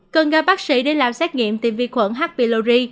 cần gặp bác sĩ để làm xét nghiệm tiêm vi khuẩn h pylori